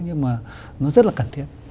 nhưng mà nó rất là cần thiết